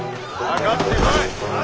かかってこい！